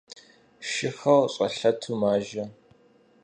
Шыхэр щӀэлъэту мажэ.